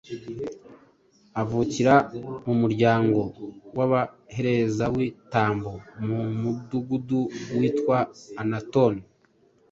Avukira mu muryango w‟Abaherezabitambo, mu mudugudu witwa Anatoti,